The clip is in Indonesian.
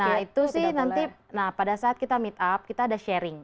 nah itu sih nanti pada saat kita meetup kita ada sharing